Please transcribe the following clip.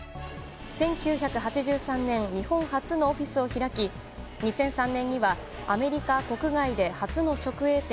１９８３年、日本初のオフィスを開き２００３年にはアメリカ国外で初の直営店